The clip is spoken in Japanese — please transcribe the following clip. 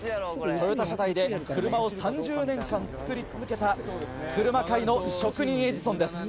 トヨタ車体で車を３０年間造り続けた車界の職人エジソンです。